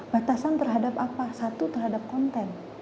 batasan terhadap apa satu terhadap konten